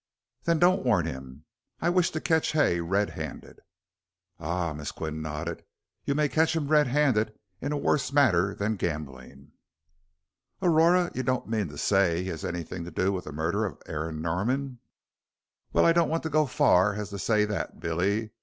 "Then don't warn him. I wish to catch Hay red handed." "Ah," Miss Qian nodded, "you may catch him red handed in a worse matter than gambling." "Aurora, you don't mean to say he has anything to do with the murder of Aaron Norman?" "Well, I don't go so far as to say that, Billy.